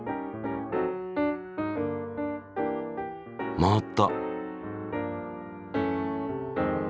回った。